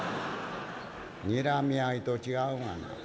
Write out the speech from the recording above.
「睨み合いと違うがな。